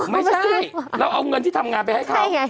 ไม่ใช่เราเอาเงินที่ทำงานไปให้เขาไง